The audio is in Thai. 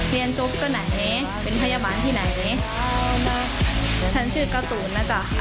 เรียนจบก็ไหนเป็นพยาบาลที่ไหนฉันชื่อกาตุ๋นน่ะจ้ะ